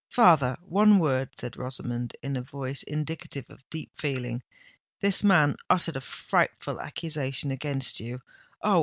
"Father—one word," said Rosamond, in a voice indicative of deep feeling. "This man uttered a frightful accusation against you—Oh!